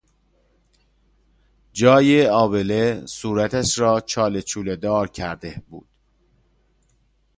جای آبله صورتش را چاله چوله دار کرده بود.